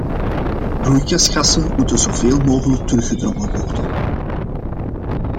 Broeikasgassen moeten zoveel mogelijk teruggedrongen worden.